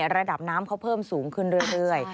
ระดับน้ำเขาเพิ่มสูงขึ้นเรื่อย